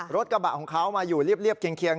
รถกระบะของเขามาอยู่เรียบเคียง